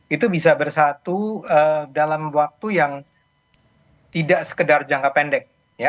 itu bisa bersatu dalam waktu yang tidak sekedar jangka pendek